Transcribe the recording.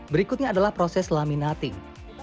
berikutnya adalah proses laminating